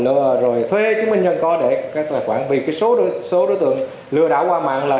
nữa rồi thuê chứng minh nhân có để cái tài khoản vì cái số đối tượng lừa đảo qua mạng là